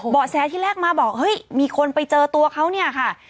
แสที่แรกมาบอกเฮ้ยมีคนไปเจอตัวเขาเนี่ยค่ะ